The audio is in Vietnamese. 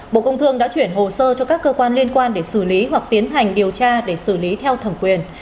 bộ công thương đã chuyển hồ sơ cho các cơ quan liên quan để xử lý hoặc tiến hành điều tra để xử lý theo thẩm quyền